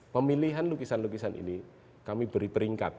pemilihan lukisan lukisan ini kami beri peringkat